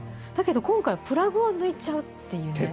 だけど今回はプラグを抜いちゃうという。